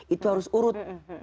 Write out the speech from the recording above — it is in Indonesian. itu harus urut